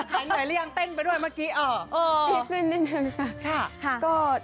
หายเหนื่อยหรือยังเต้นไปด้วยเมื่อกี้